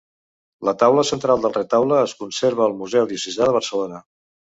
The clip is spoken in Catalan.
La taula central del retaule es conserva al museu Diocesà de Barcelona.